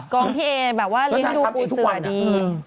กองพี่เออ่แบบว่าลิสต์ให้ดูกูเสร็จดี